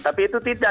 tapi itu tidak